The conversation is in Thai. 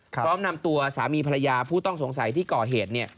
พร้อมนำตัวสามีภรรยาผู้ต้องสงสัยที่ก่อเหตุ